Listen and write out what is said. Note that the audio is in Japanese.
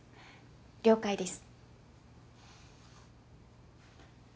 了解です。